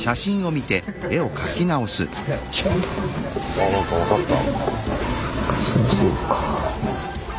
あなんか分かった。